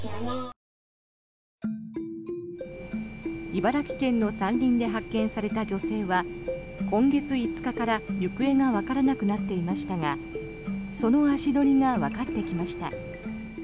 茨城県の山林で発見された女性は今月５日から行方がわからなくなっていましたがその足取りがわかってきました。